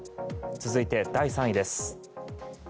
続いて、第３位です。